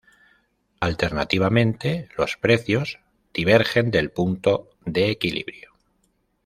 Alternativamente, los precios divergen del punto de equilibrio.